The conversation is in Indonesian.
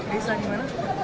desa di mana